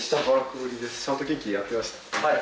はい。